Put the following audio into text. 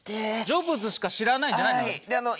ジョブズしか知らないんじゃないの？